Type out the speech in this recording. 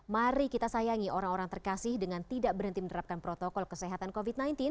mari kita sayangi orang orang terkasih dengan tidak berhenti menerapkan protokol kesehatan covid sembilan belas